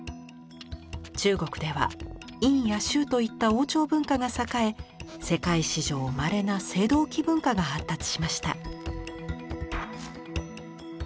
中国では殷や周といった王朝文化が栄え世界史上まれな青銅器文化が発達しました。